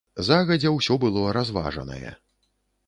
Загадзя ўсё было разважанае.